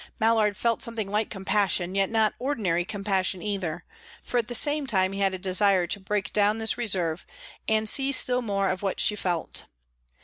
Mallard felt something like compassion; yet not ordinary compassion either, for at the same time he had a desire to break down this reserve, and see still more of what she felt.